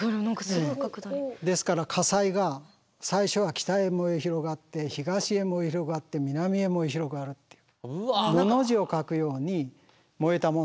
ですから火災が最初は北へ燃え広がって東へ燃え広がって南へ燃え広がるっていう。